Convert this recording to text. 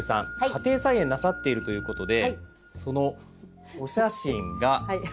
家庭菜園なさっているということでそのお写真がこちら。